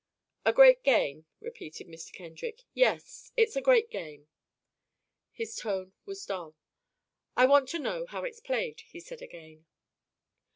"A great game," repeated Kendrick, "yes, it's a great game." His tone was dull. "I want to know how it's played," he said again.